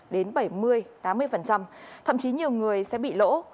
đến bảy mươi tám mươi thậm chí nhiều người sẽ bị lỗ